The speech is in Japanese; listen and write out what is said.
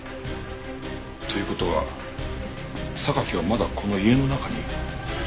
という事は榊はまだこの家の中にいる？